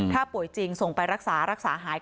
ถ้าป่วยจริงส่งไปรักษารักษาหาย